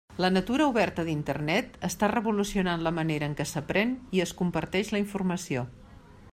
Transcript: La natura oberta d'Internet està revolucionant la manera en què s'aprèn i es comparteix la informació.